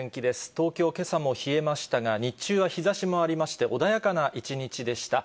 東京、けさも冷えましたが、日中は日ざしもありまして、穏やかな一日でした。